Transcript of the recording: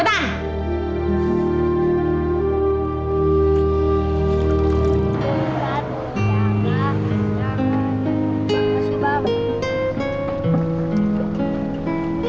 udah udah udah cepat selesaikan pekerjaannya